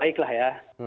ya baiklah ya